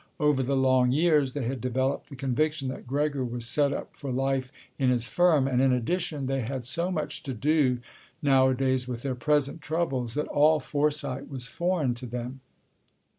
Over the long years, they had developed the conviction that Gregor was set up for life in his firm and, in addition, they had so much to do nowadays with their present troubles that all foresight was foreign to them.